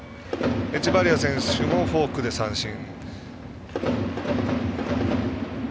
エチェバリア選手もフォークで三振。